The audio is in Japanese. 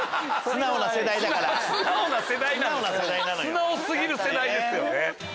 素直過ぎる世代ですよね。